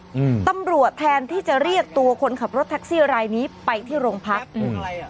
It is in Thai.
อืมตำรวจแทนที่จะเรียกตัวคนขับรถแท็กซี่รายนี้ไปที่โรงพักอืม